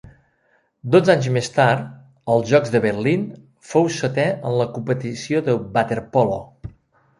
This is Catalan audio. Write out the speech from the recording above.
Dotze anys més tard, als Jocs de Berlín, fou setè en la competició de waterpolo.